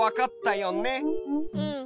うん。